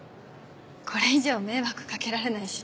これ以上迷惑掛けられないし。